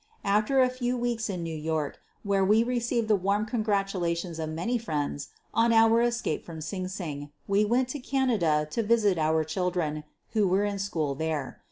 After a few weeks in New York, where we re ceived the warm congratulations of many friends on our escape from Sing Sing, we went to Canada to visit our children who were in school there.